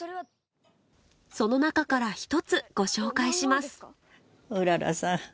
その中から１つご紹介しますうららさん